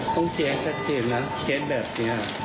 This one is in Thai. ต้องเชตแบบนี้นะ